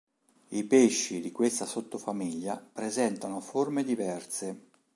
I pesci di questa sottofamiglia presentano forme diverse.